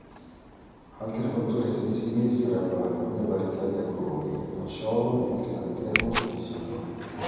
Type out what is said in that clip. Altre colture sensibili sarebbero alcune varietà di agrumi, il nocciolo, il crisantemo, il fico.